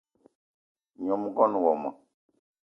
Nyom ngón wmo